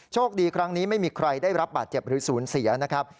คดีครั้งนี้ไม่มีใครได้รับบาดเจ็บหรือศูนย์เสียนะครับ